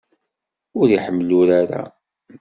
Ur iḥemmel urar-a.